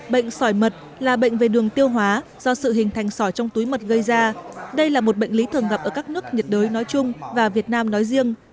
bệnh sỏi mật là bệnh về đường tiêu hóa do sự hình thành sỏi trong túi mật gây ra đây là một bệnh lý thường gặp ở các nước nhiệt đới nói chung và việt nam nói riêng